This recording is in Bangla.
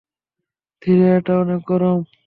ধীরে, এটা অনেক গরম।